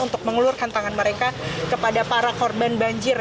untuk mengelurkan tangan mereka kepada para korban banjir